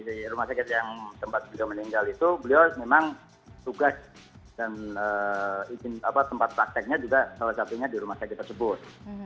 di rumah sakit yang sempat juga meninggal itu beliau memang tugas dan tempat prakteknya juga salah satunya di rumah sakit tersebut